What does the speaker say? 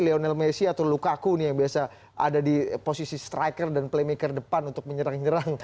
lionel messi atau lukaku nih yang biasa ada di posisi striker dan playmaker depan untuk menyerang nyerang